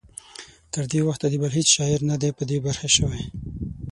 تر دې وخته د بل هیڅ شاعر نه دی په برخه شوی.